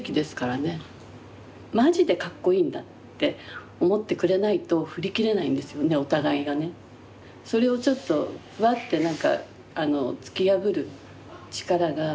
マジでかっこいいんだって思ってくれないと振り切れないんですよねお互いがね。それをちょっとフワッて突き破る力が臼井さんの活動なのかなって思います。